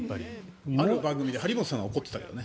ある番組で張本さんが怒ってたけどね。